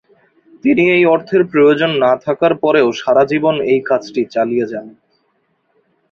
তিনি এই অর্থের প্রয়োজন না থাকার পরেও সারা জীবন এই কাজটি চালিয়ে যান।